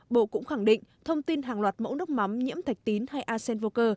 bộ cũng khẳng định thông tin hàng loạt mẫu nước mắm nhiễm thạch tín hay asen vô cơ